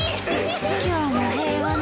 今日も平和ね。